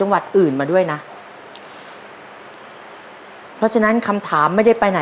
๑๕แล้วนะมายนะ